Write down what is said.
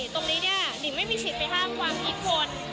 ตรงนี้หนิงไม่มีสิทธิ์ไปห้ามความคิดคน